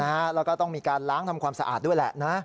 แล้วก็ต้องมีการล้างทำความสะอาดด้วยแหละนะ